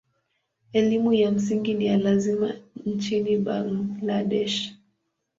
Elimu ya msingi ni ya lazima nchini Bangladesh.